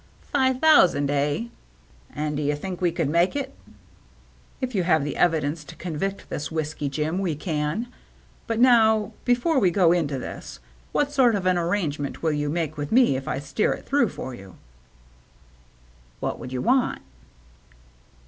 " Fi' thousand, eh ? An' do you think we could make it ?"" If you have the evidence to convict this Whiskey Jim, we can. But now, before we go into this, what sort of an arrangement will you make with me if I steer it through for you ?"" What would you want